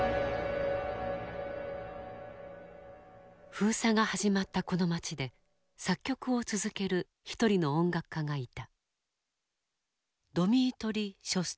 封鎖が始まったこの町で作曲を続ける一人の音楽家がいた。